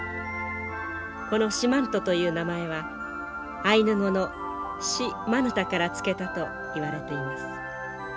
この四万十という名前はアイヌ語の「シ・マヌタ」から付けたといわれています。